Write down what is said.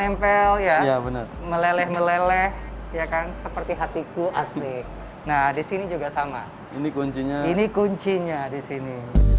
meleleh ya kan seperti hatiku asli nah disini juga sama ini kuncinya ini kuncinya disini